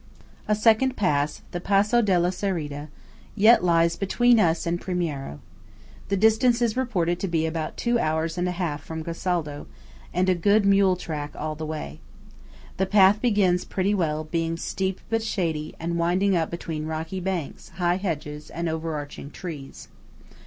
A second pass–the Passo della Cereda–yet lies between us and Primiero. The distance is reported to be about two hours and a half from Gosalda, and a good mule track all the way. The path begins pretty well, being steep but shady, and winding up between rocky banks, high hedges and overarching trees.